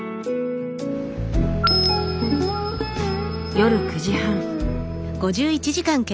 夜９時半。